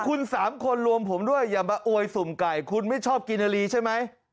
คุณ๓คนรวมผมด้วยคุณไม่ชอบกินอาฬีใช่ไหม